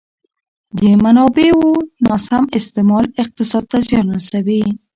د منابعو ناسم استعمال اقتصاد ته زیان رسوي.